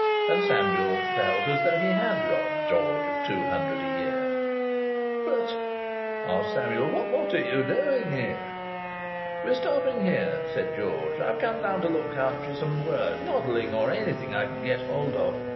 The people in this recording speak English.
And Samuel felt as though he had robbed George of two hundred a year. "But but," asked Samuel, "what are you doing here?" "We're stopping here," said George. "I've come down to look out for some work modelling, or anything I can get hold of.